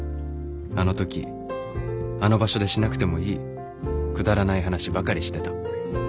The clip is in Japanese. あのときあの場所でしなくてもいいくだらない話ばかりしてた